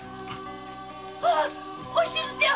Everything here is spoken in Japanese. お静ちゃん！